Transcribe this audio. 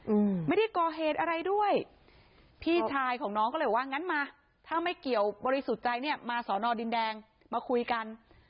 อืมไม่ได้ก่อเหตุอะไรด้วยพี่ชายของน้องก็เลยว่างั้นมาถ้าไม่เกี่ยวบริสุทธิ์ใจเนี่ยมาสอนอดินแดงมาคุยกัน